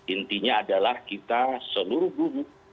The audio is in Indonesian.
intinya adalah kita seluruh guru